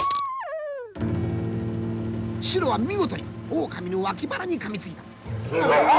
シロは見事にオオカミの脇腹にかみついた。